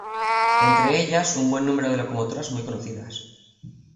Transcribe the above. Entre ellas un buen número de locomotoras muy conocidas.